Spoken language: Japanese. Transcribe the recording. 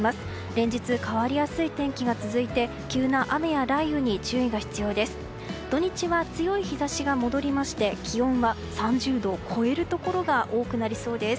連日変わりやすい天気が続いて急な雨や雷雨に注意が必要です。